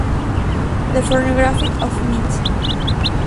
The Pornography of Meat.